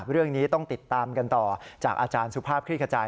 เรื่องนี้ต้องติดตามกันต่อจากอาจารย์สุภาพคลิกขจาย